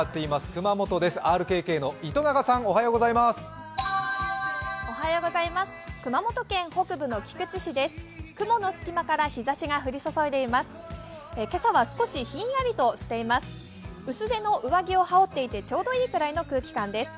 熊本県北部の菊池市です。